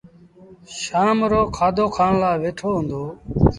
شآم رو کآڌو کآڻ لآ ويٺو هُݩدو